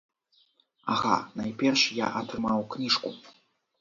Ага, найперш я атрымаў кніжку.